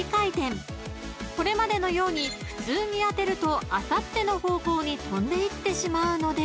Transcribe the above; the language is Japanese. ［これまでのように普通に当てるとあさっての方向に飛んでいってしまうので］